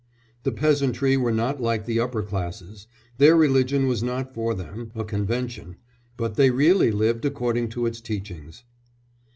The peasantry were not like the upper classes; their religion was not for them a convention, but they really lived according to its teachings.